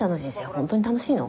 本当に楽しいの？